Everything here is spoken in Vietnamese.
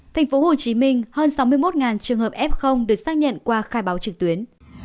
tp hcm hơn sáu mươi một trường hợp f được xác nhận qua khai báo trực tuyến